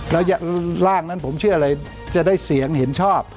แล้วร่างนั้นผมเชื่ออะไรจะได้เสียงเห็นชอบ